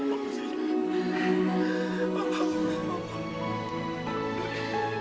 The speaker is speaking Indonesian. pak pak pak